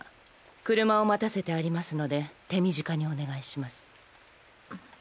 車を待たせてありますので手短にお願いします。